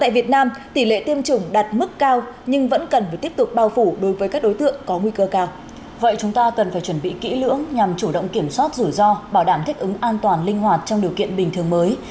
vậy chúng vậy chúng ta cần phải chuẩn bị kỹ lưỡng nhằm chủ động kiểm soát rủi ro bảo đảm thích ứng an toàn linh hoạt trong điều kiện bình thường mới